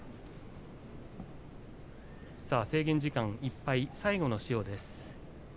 制限時間いっぱい、最後の塩です。